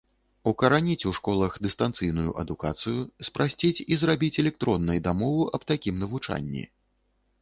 Укараніць у школах дыстанцыйную адукацыю, спрасціць і зрабіць электроннай дамову аб такім навучанні.